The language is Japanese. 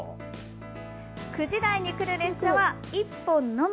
９時台に来る列車は１本のみ。